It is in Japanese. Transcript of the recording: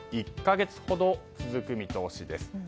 １か月ほど続く見通しです。